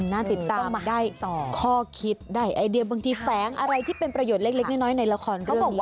น่าติดตามได้ต่อข้อคิดได้ไอเดียบางทีแฝงอะไรที่เป็นประโยชน์เล็กน้อยในละครเรื่องนี้